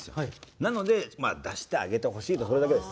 なので出してあげてほしいそれだけです。